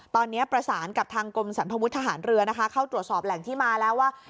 ตอนนี้ประสานกับทางกรมสรรพวุฒิทหารเรือนะคะเข้าตรวจสอบแหล่งที่มาแล้วว่า